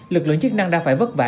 lực lượng chức năng đã phải vất vả